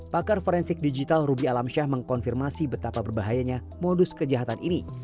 pakar forensik digital ruby alamsyah mengkonfirmasi betapa berbahayanya modus kejahatan ini